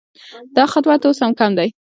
دا خدمت اوس هم کم دی